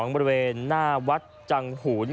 บริเวณหน้าวัดจังหูน